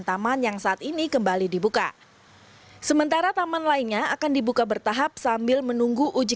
taman yang saat ini kembali dibuka sementara taman lainnya akan dibuka bertahap sambil menunggu uji